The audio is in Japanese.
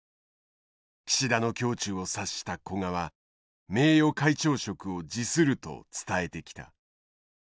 岸田の胸中を察した古賀は名誉会長職を辞すると伝えてきた。